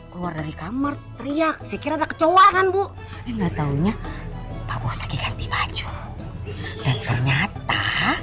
keluar dari kamar teriak sekitar kecoh akan bu enggak taunya pak bos lagi ganti baju dan ternyata